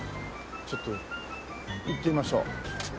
ちょっと行ってみましょう。